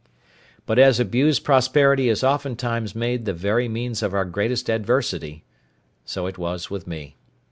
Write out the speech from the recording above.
But as abused prosperity is oftentimes made the very means of our greatest adversity, so it was with me.